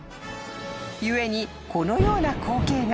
［故にこのような光景が］